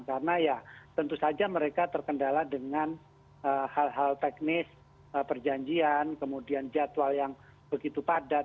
karena ya tentu saja mereka terkendala dengan hal hal teknis perjanjian kemudian jadwal yang begitu padat